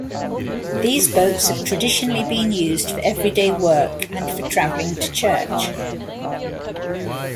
These boats have traditionally been used for everyday work and for traveling to church.